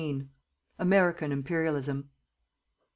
AMERICAN IMPERIALISM.